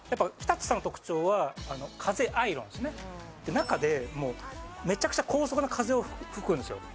中でめちゃくちゃ高速な風が吹くんですよ。